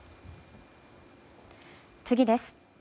次です。